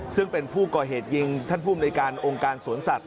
ซึ่งเป็นผู้ก่อเหตุยิงท่านภูมิในการองค์การสวนสัตว